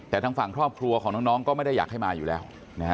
แต่ทางฝั่งครอบครัวของน้องก็ไม่ได้อยากให้มาอยู่แล้ว